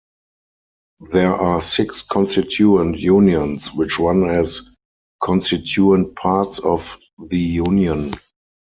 There are six constituent unions which run as constituent parts of the Union.